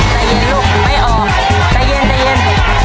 ใจเย็นลูกไม่ออกใจเย็นใจเย็น